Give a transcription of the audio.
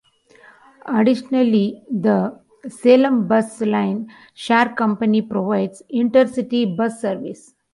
Additionally, the Selam Bus Line Share Company provides inter-city bus service.